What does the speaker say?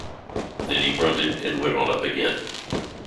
Then he grunted and went on up again.